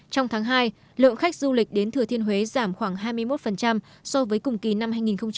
trong tháng hai lượng khách du lịch đến thừa thiên huế giảm khoảng hai mươi một so với cùng kỳ năm hai nghìn một mươi chín